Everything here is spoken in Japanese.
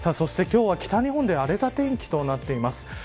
今日は北日本で荒れた天気となっています。